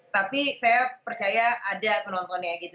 tapi saya percaya ada penontonnya gitu